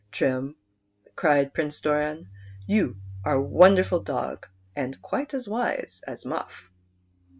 Trim," cried Prince Doran, "you are a wonderful dog, and quite as wise as Alufif."